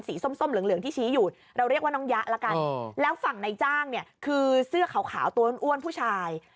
ส้มเหลืองที่ชี้อยู่เราเรียกว่าน้องยะละกันแล้วฝั่งในจ้างเนี่ยคือเสื้อขาวตัวอ้วนผู้ชาย